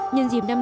nhân dìm năm mới